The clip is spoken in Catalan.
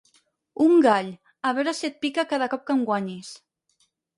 Un gall, a veure si et pica cada cop que em guanyis.